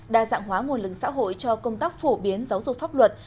đa dạng hóa nguồn lực xã hội cho công tác phổ biến giáo dục pháp luật